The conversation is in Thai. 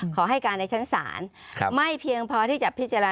ขอให้การในชั้นศาลไม่เพียงพอที่จะพิจารณา